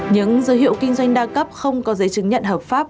những dấu hiệu kinh doanh đa cấp không có giấy chứng nhận hợp pháp